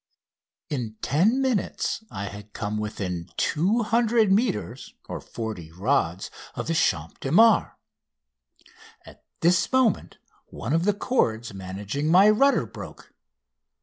In ten minutes I had come within 200 metres (40 rods) of the Champ de Mars. At this moment one of the cords managing my rudder broke.